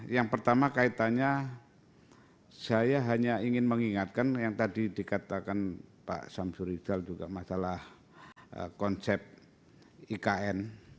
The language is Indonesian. yang pertama kaitannya saya hanya ingin mengingatkan yang tadi dikatakan pak samsur rizal juga masalah konsep ikn